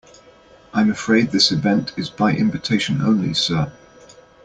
I'm afraid this event is by invitation only, sir.